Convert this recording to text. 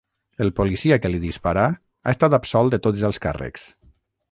El policia que li disparà ha estat absolt de tots els càrrecs.